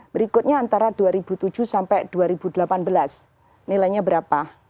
berikutnya antara dua ribu tujuh sampai dua ribu delapan belas nilainya berapa